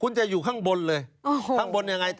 คุณจะอยู่ข้างบนเลยข้างบนยังไง